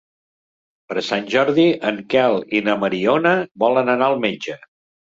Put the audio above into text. Per Sant Jordi en Quel i na Mariona volen anar al metge.